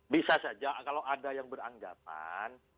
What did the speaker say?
bisa saja kalau ada yang beranggapan